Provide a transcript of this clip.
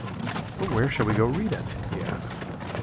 "But where shall we go to read it?" he asked.